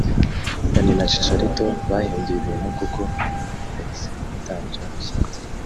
Nani na Chicharito bahinduye ibintu kuko yahise itangira gusatira